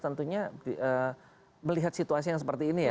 tentunya melihat situasi yang seperti ini ya